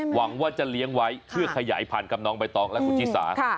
หวังว่าจะเลี้ยงไว้เพื่อขยายพันธุ์กับน้องใบตองและคุณชิสา